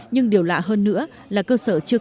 nhưng điều lạ hơn nữa là cơ sở chưa có giấy phạm